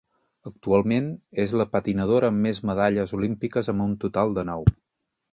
Actualment és la patinadora amb més medalles olímpiques, amb un total de nou.